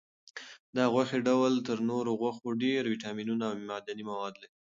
دا د غوښې ډول تر نورو غوښو ډېر ویټامینونه او معدني مواد لري.